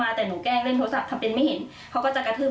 ทุกวันนี้หนูคือที่ทำอยู่คือแค่ป้องกันตัวเอง